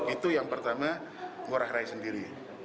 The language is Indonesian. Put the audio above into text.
itu yang pertama ngurah rai sendiri